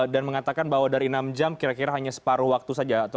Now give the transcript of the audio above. dan mengatakan bahwa dari enam jam kira kira hanya separuh waktu saja